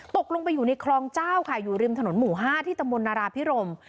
ตกลงไปอยู่ในคลองเจ้าค่ะอยู่ริมถนนหมู่๕ที่ตำบลนาราพิรม